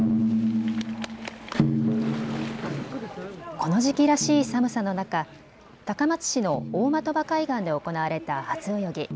この時期らしい寒さの中、高松市の大的場海岸で行われた初泳ぎ。